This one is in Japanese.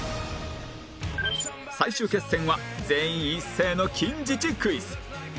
最終決戦は全員一斉の近似値クイズ